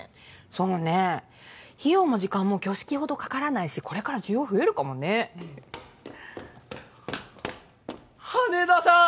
そうね費用も時間も挙式ほどかからないしこれから需要増えるかもね羽田さん！